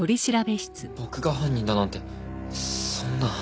僕が犯人だなんてそんな。